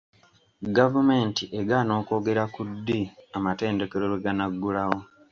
Gavumenti egaana okwogera ku ddi amatendekero lwe ganaggulawo.